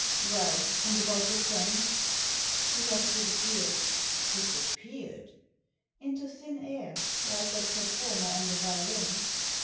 " Well, and about your friend ?"" He has disappeared." " Disappeared ?".Into thin air, like that performer on the violin."